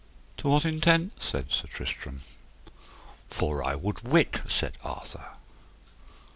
To what intent? said Sir Tristram. For I would wit, said Arthur.